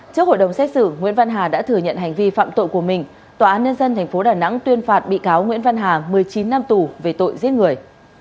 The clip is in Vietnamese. trước hội đồng xét xử nguyễn văn hà đã thừa nhận hành vi phạm tội của mình tòa án nhân dân tp đà nẵng tuyên phạt bị cáo nguyễn văn hà một mươi chín năm tù về tội giết người